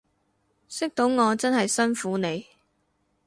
識到我真係辛苦你